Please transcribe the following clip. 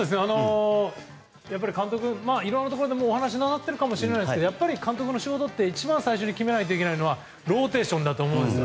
監督、いろんなところでお話になってるかもしれないですけどやっぱり監督の仕事って一番最初に決めないといけないのはローテーションだと思うんです。